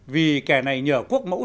vì kẻ này nhờ quốc mẫu